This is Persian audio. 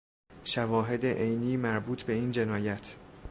شواهد عینی مربوط به این جنایت